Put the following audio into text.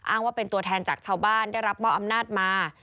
อ้างว่าเป็นตัวแทนจากชาวบ้านได้รับมอบอำนาจมา